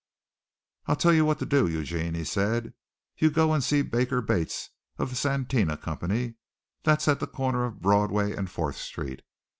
"I'll tell you what you do, Eugene," he said. "You go and see Baker Bates of the Satina Company. That's at the corner of Broadway and Fourth Street.